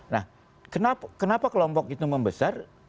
nah kenapa kelompok itu membesar